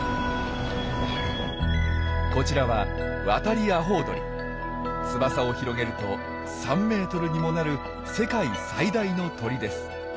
こちらは翼を広げると３ｍにもなる世界最大の鳥です。